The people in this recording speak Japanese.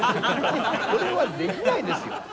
これはできないですよ。